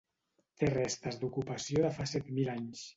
Té restes d'ocupació de fa set mil anys.